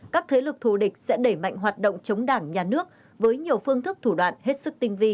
các thế lực thù địch sẽ đẩy mạnh hoạt động chống đảng nhà nước với nhiều phương thức thủ đoạn hết sức tinh vi